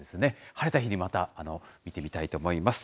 晴れた日にまた見てみたいと思います。